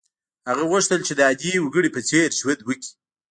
هغه غوښتل چې د عادي وګړي په څېر ژوند وکړي.